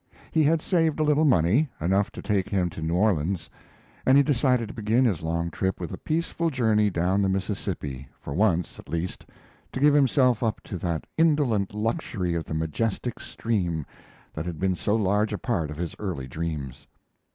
He had saved a little money enough to take him to New Orleans and he decided to begin his long trip with a peaceful journey down the Mississippi, for once, at least, to give himself up to that indolent luxury of the majestic stream that had been so large a part of his early dreams.